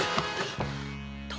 殿！